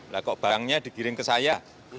lah kok barangnya digiring ke saya